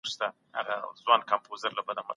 بریالیتوب یوازې په پیسو کې نه دی.